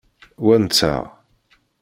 Wa nteɣ.